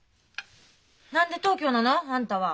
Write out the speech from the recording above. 何で東京なの？あんたは。